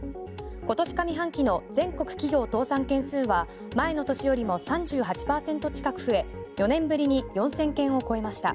今年上半期の全国企業倒産件数は前の年よりも３８％近く増え４年ぶりに４０００件を超えました。